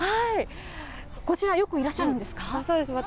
こちら、よくいらっしゃるんですか？